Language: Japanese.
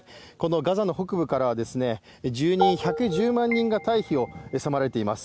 ガザ北部からは住人１１０万人が退避を迫られています。